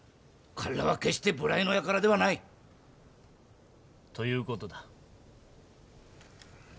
彼らは決して無頼のやからではない。という事だ。